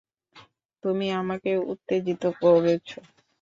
তুমি আমাকেও উত্তেজিত করেছ।